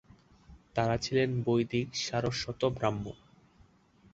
তারা ছিলেন বৈদিক সারস্বত ব্রাহ্মণ।